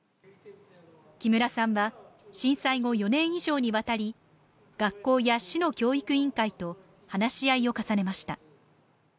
木村さんは震災後、４年以上にわたり学校や市の教育委員会と話し合いを重ねました。